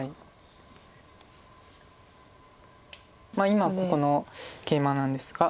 今ここのケイマなんですが。